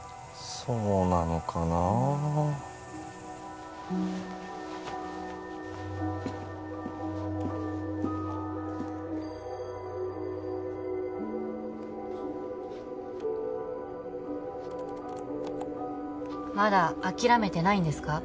そうなのかなまだ諦めてないんですか？